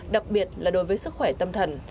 đặc biệt là đối với sức khỏe tâm thần